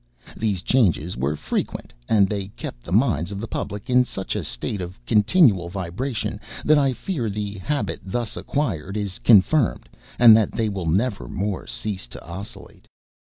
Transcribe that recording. These changes were frequent, and they kept the minds of the public in such a state of continual vibration that I fear the habit thus acquired is confirmed, and that they will never more cease to oscillate.